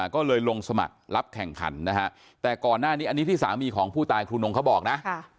ก็เลยลงสมัครรับแข่งขันนะฮะแต่ก่อนหน้านี้อันนี้ที่สามีของผู้ตายครูนงเขาบอกนะ